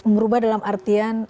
merubah dalam artian